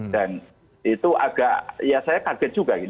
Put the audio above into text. dan itu agak ya saya kaget juga